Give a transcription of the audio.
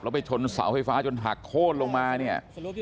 ไปชนเสาไฟฟ้าจนหักโค้นลงมาเนี่ย